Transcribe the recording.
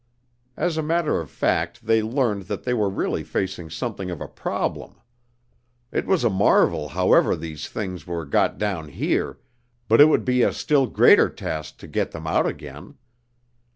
As a matter of fact, they learned that they were really facing something of a problem. It was a marvel how ever these things were got down here, but it would be a still greater task to get them out again.